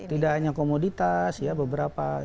tidak hanya komoditas ya beberapa